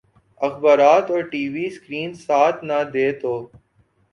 اخبارات اور TV screen ساتھ نہ دے تو